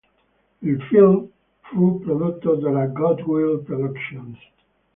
Il film fu prodotto dalla Goodwill Productions.